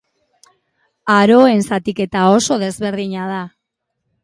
Aroen zatiketa oso desberdina da.